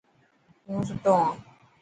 هون ستوهان.